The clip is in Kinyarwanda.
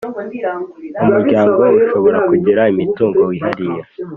Umuryango ushobora kugira imitungo wihariye